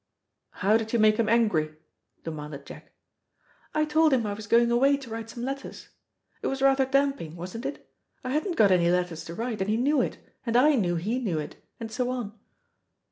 "How did you make him angry?" demanded Jack. "I told him I was going away to write some letters. It was rather damping, wasn't it? I hadn't got any letters to write, and he knew it, and I knew he knew it, and so on."